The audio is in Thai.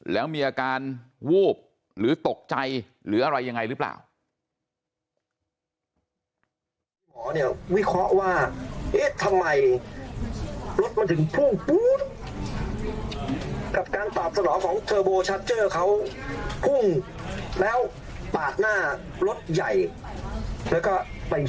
แล้วมีอาการวูบหรือตกใจหรืออะไรยังไงหรือเปล่า